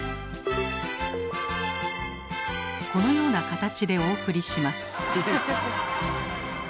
このような形でお送りします。